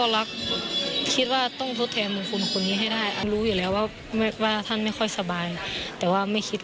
ไม่ต้องห่วงอะไรแล้ว